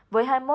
với hành khách